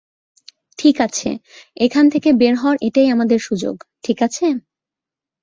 ঠিক আছে, এখান থেকে বের হওয়ার এটাই আমাদের সুযোগ, ঠিক আছে?